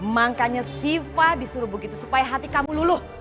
makanya siva disuruh begitu supaya hati kamu luluh